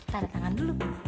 taruh tangan dulu